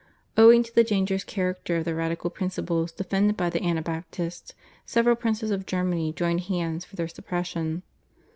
Owing to the dangerous character of the radical principles defended by the Anabaptists several princes of Germany joined hands for their suppression.